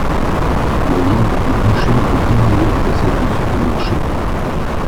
La viande du boucher est bien meilleure que celle du supermarché.